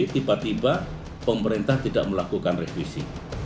tiba tiba pemerintah tidak melakukan revisi